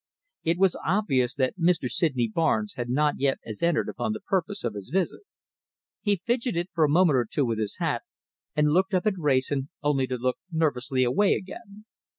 It was obvious that Mr. Sydney Barnes had not as yet entered upon the purpose of his visit. He fidgeted for a moment or two with his hat, and looked up at Wrayson, only to look nervously away again.